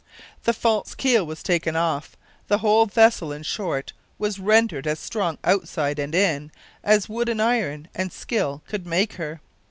The false keel was taken off, the whole vessel, in short, was rendered as strong, outside and in, as wood and iron and skill could make her.